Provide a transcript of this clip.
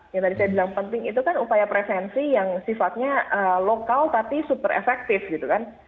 yang tadi saya bilang penting itu kan upaya prevensi yang sifatnya lokal tapi super efektif gitu kan